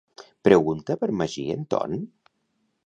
Pregunta per Magí en Ton?